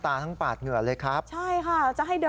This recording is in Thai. น้ำตาทั้งปากเหงื่อเลยครับใช่ค่ะจะให้เดินไปทำงานหรือยังไงอ่ะ